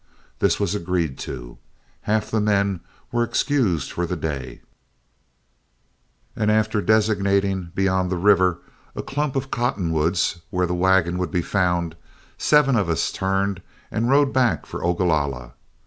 This was agreed to, half the men were excused for the day, and after designating, beyond the river, a clump of cottonwoods where the wagon would be found, seven of us turned and rode back for Ogalalla.